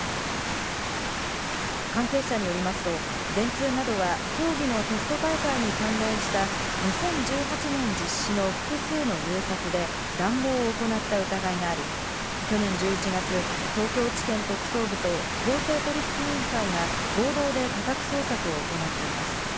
関係者によりますと電通などは競技のテスト大会に関連した２０１８年実施の複数の入札で、談合を行った疑いがあり、去年１１月、東京地検特捜部と公正取引委員会が合同で家宅捜索を行っています。